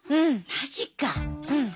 マジか。